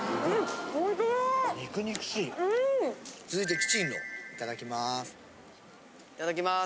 続いて奇珍楼いただきます。